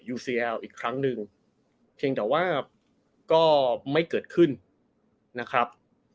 เซียลอีกครั้งหนึ่งเพียงแต่ว่าก็ไม่เกิดขึ้นนะครับ